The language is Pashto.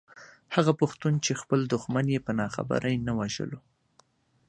هغه پښتون چې خپل دښمن يې په ناخبرۍ نه وژلو.